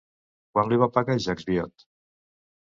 Quant li va pagar Jacques Viot?